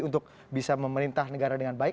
untuk bisa memerintah negara dengan baik